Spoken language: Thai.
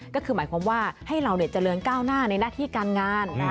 ก็คือหมายความว่าให้เราเจริญก้าวหน้าในหน้าที่การงาน